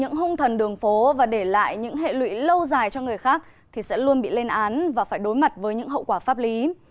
những hung thần đường phố và để lại những hệ lụy lâu dài cho người khác thì sẽ luôn bị lên án và phải đối mặt với những hậu quả pháp lý